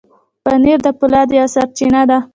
پنېر د فولاد یوه سرچینه ده.